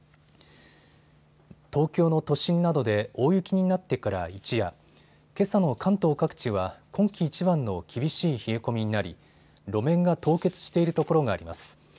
東京の都心などで大雪になってから一夜、けさの関東各地は今季いちばんの厳しい冷え込みになり路面が凍結しているところがあります。